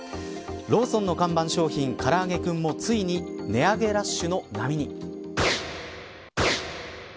ローソンの看板商品からあげクンもついに値上げラッシュの波に。